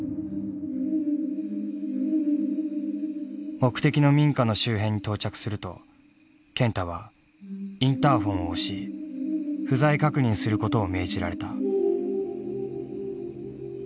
目的の民家の周辺に到着すると健太はインターホンを押し不在確認することを命じられた。